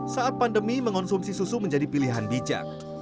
saat pandemi mengonsumsi susu menjadi pilihan bijak